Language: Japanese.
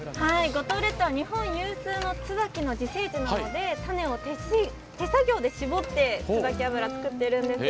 五島列島は、日本有数の椿の自生地なので、種を手作業で絞って椿油を作っているんです。